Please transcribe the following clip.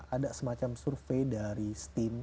ada semacam survei dari steam